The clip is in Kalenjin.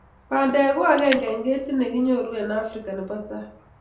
Bandee ko agenge eng ketit ne kinyoru end afrika ne bo tai